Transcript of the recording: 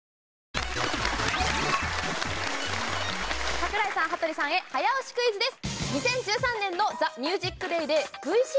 櫻井さん羽鳥さんへ早押しクイズです。